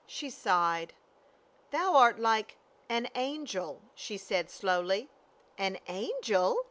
She sighed. "Thou art like — an angel," she said slowly. "An angel?"